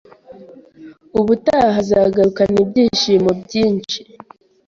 Ubutaha azagarukana ibyishimo byinshi.